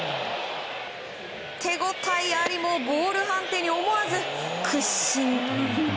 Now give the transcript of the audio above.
手応えありもボール判定に思わず屈伸。